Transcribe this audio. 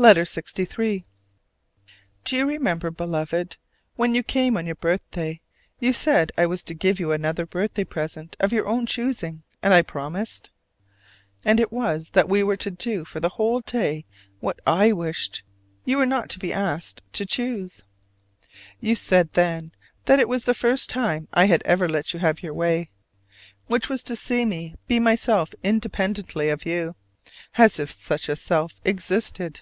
LETTER LXIII. Do you remember, Beloved, when you came on your birthday, you said I was to give you another birthday present of your own choosing, and I promised? And it was that we were to do for the whole day what I wished: you were not to be asked to choose. You said then that it was the first time I had ever let you have your way, which was to see me be myself independently of you: as if such a self existed.